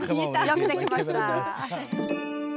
よくできました。